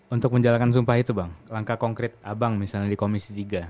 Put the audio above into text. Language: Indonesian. untuk menjalankan sumpah itu bang langkah konkret abang misalnya di komisi tiga